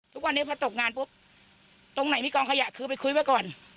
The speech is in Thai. ทุกวันนี้พอตกงานปุ๊บตรงไหนมีกองขยะคือไปคุยไว้ก่อน